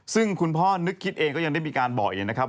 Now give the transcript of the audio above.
ซึ่งคุณพ่อนึกคิดเองก็ยังได้มีการบอกอีกนะครับ